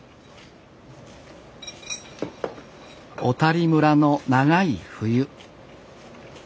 小谷村の長い冬。